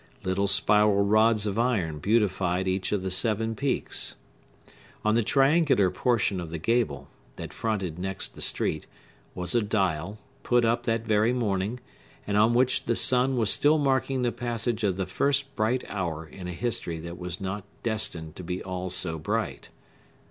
Little spiral rods of iron beautified each of the seven peaks. On the triangular portion of the gable, that fronted next the street, was a dial, put up that very morning, and on which the sun was still marking the passage of the first bright hour in a history that was not destined to be all so bright.